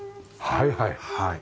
はいはい。